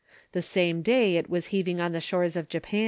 The same day, it was heaving on the shores of Japan.